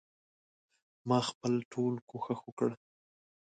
ما خپل ټول کوښښ وکړ.